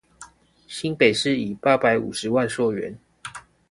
新北市以八百五十萬溯源